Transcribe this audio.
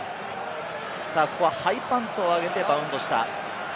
ここはハイパントを上げてバウンドした。